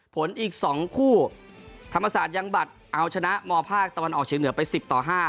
ผลอีก๒คู่ธรรมศาสตร์ยังบัตรเอาชนะมภาคตะวันออกเชียงเหนือไป๑๐ต่อ๕